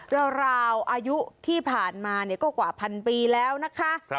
ราวราวอายุที่ผ่านมาเนี้ยก็กว่าพันปีแล้วนะคะครับ